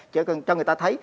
cho người ta thấy